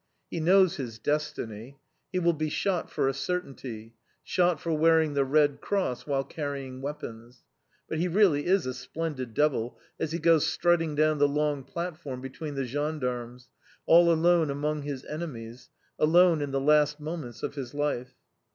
He knows his destiny. He will be shot for a certainty shot for wearing the Red Cross while carrying weapons. But he really is a splendid devil as he goes strutting down the long platform between the gendarmes, all alone among his enemies, alone in the last moments of his life.